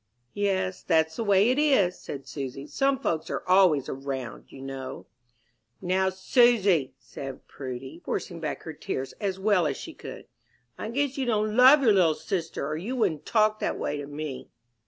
"Yes, that's the way it is," said Susy. "Some folks are always round, you know." "Now, Susy," said Prudy, forcing back her tears as well as she could, "I guess you don't love your little sister, or you wouldn't talk that way to me."